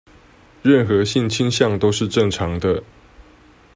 任何性傾向都是正常的